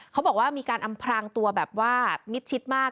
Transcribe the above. เขาบอกว่ามีการอำพรางตัวแบบว่ามิดชิดมาก